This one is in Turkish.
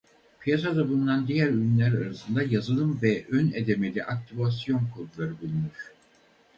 Piyasada bulunan diğer ürünler arasında yazılım ve ön ödemeli aktivasyon kodları bulunur.